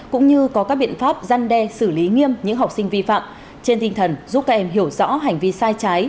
cũng như có các biện pháp gian đe xử lý nghiêm những học sinh vi phạm trên tinh thần giúp các em hiểu rõ hành vi sai trái